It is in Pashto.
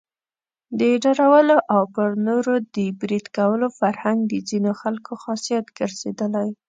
د ډارولو او پر نورو د بريد کولو فرهنګ د ځینو خلکو خاصيت ګرځېدلی.